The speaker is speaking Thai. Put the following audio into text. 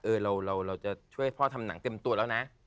เราจะช่วยพ่อทำหนังเต็มตัวแล้วนะ